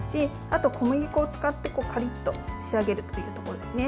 あと、小麦粉を使ってカリッと仕上げるということですね。